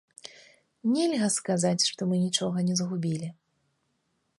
Нельга сказаць, што мы нічога не згубілі.